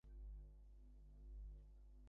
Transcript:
ও আমার নয়।